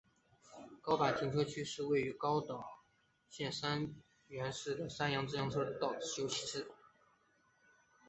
高坂停车区是位于广岛县三原市的山阳自动车道之休息区。